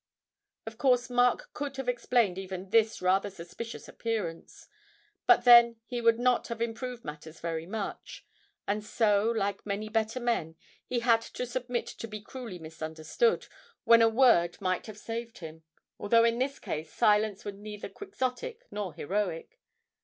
Of course Mark could have explained even this rather suspicious appearance, but then he would not have improved matters very much; and so, like many better men, he had to submit to be cruelly misunderstood, when a word might have saved him, although in his case silence was neither quixotic nor heroic.